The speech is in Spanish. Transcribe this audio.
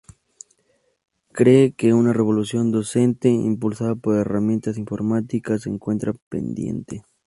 Cree que una revolución docente, impulsada por herramientas informáticas, se encuentra pendiente.